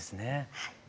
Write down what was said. はい。